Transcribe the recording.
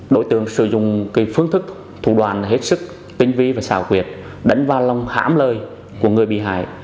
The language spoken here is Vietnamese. đối tượng sử dụng phương thức thủ đoàn hết sức tinh vi và xảo quyệt đánh vào lòng hãm lời của người bị hại